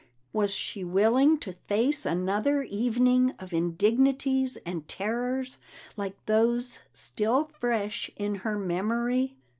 Was she willing to face another evening of indignities and terrors like those still fresh in her memory?